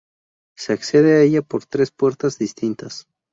Se accede a ella por tres puertas distintas.